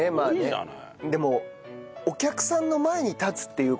でもお客さんの前に立つっていう事がさ